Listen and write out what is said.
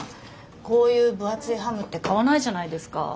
こういう分厚いハムって買わないじゃないですか。